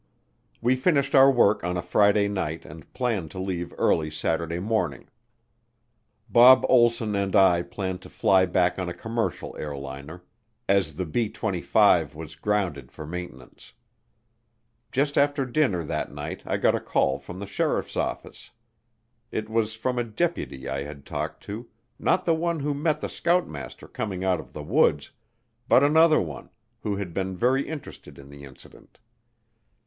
We finished our work on a Friday night and planned to leave early Saturday morning. Bob Olsson and I planned to fly back on a commercial airliner, as the B 25 was grounded for maintenance. Just after dinner that night I got a call from the sheriff's office. It was from a deputy I had talked to, not the one who met the scoutmaster coming out of the woods, but another one, who had been very interested in the incident.